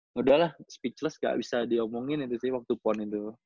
udahlah speechless gak bisa diomongin itu sih waktu pon itu